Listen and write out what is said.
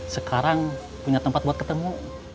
sekarang punya tempat buat ketemu